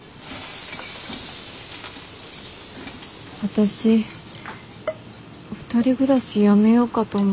私２人暮らしやめようかと思って。